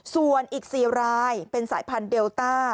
ส่วนอีก๔รายเป็นสายพันธุเดลต้า